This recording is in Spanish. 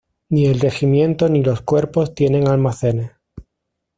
Ni el regimiento ni los cuerpos tienen almacenes.